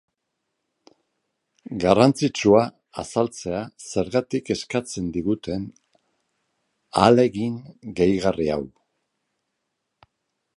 Garrantzitsua azaltzea zergatik eskatzen diguten ahalegin gehigarri hau.